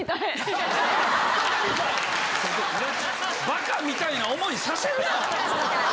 「バカみたい」な思いさせるな！